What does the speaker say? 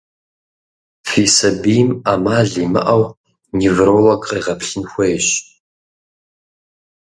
Фи сабийм Ӏэмал имыӀэу невролог къегъэплъын хуейщ.